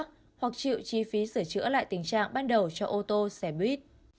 hoặc chịu chi phí sửa chữa lại tình trạng ban đầu cho ô tô xe buýt